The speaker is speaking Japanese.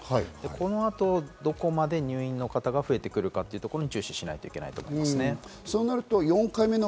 この後、どこまで入院の方が増えてくるかというところに注視しないきゃいけないと思いますね。